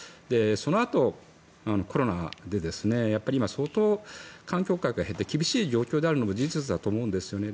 そのあと、コロナで今、相当、観光客が減って厳しい状況であるのも事実だと思うんですよね。